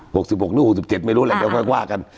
๖๖หรือ๖๗ไม่รู้แหละเดี๋ยวค่อยว่ากัน